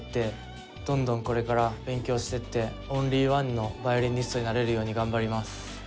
どんどんこれから勉強していってオンリーワンのヴァイオリニストになれるように頑張ります。